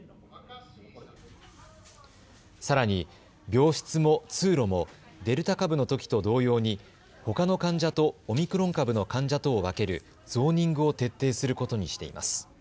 さらに病室も通路もデルタ株のときと同様にほかの患者とオミクロン株の患者とを分けるゾーニングを徹底することにしています。